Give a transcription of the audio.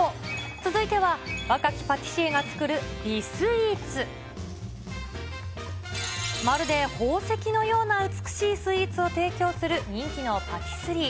続いては、若きパティシエが作る美スイーツ。まるで宝石のような美しいスイーツを提供する、人気のパティスリー。